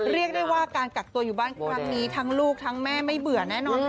เรียกได้ว่าการกักตัวอยู่บ้านครั้งนี้ทั้งลูกทั้งแม่ไม่เบื่อแน่นอนค่ะ